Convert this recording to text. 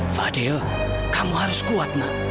fadil kamu harus kuat nak